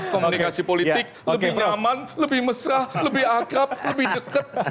komunikasi politik lebih nyaman lebih mesah lebih akrab lebih dekat